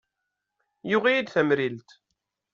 Yuɣ-iyi-d tamrilt.